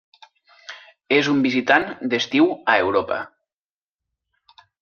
És un visitant d'estiu a Europa.